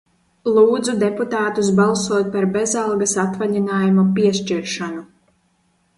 Lūdzu deputātus balsot par bezalgas atvaļinājuma piešķiršanu!